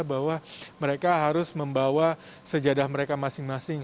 bahwa mereka harus membawa sejadah mereka masing masing